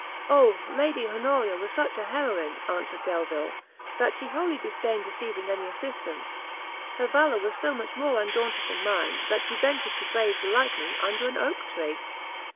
"O Lady Honoria was such a Heroine," answered Delvile, "that she wholly disdained receiving any assistance; her valour was so much more undaunted than mine, that she ventured to brave the lightning under an oak tree!"